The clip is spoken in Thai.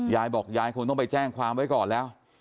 ยายบอกยายคงต้องไปแจ้งความไว้ก่อนแล้ว